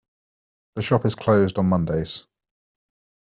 The shop is closed on Mondays.